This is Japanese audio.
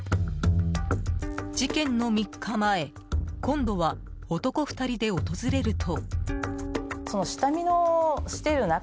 事件の３日前今度は男２人で訪れると。